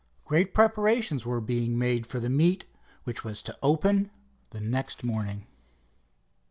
Great preparations were being made for the meet, which was to open the next morning.